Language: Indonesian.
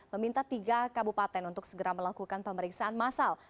meminta tiga kabupaten untuk segera melakukan pemeriksaan massal